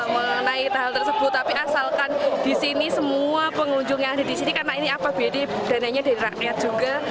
mengenai hal tersebut tapi asalkan di sini semua pengunjung yang ada di sini karena ini apbd dananya dari rakyat juga